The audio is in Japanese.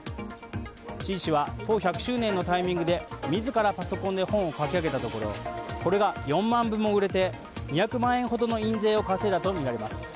志位氏は党１００周年のタイミングで自らパソコンで本を書き上げたところこれが４万部も売れて２００万円ほどの印税を稼いだとみられます。